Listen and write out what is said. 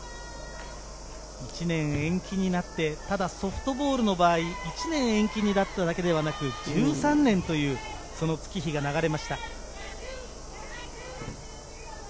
１年延期になって、ただソフトボールの場合１年延期になっただけではなく１３年という月日が流れました。